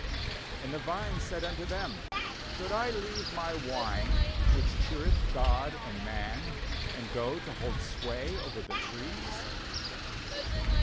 "And the vine said unto them: Should I leave my wine, which cheereth God and man, and go 11 305 9.13 JUDGES to hold sway over the trees?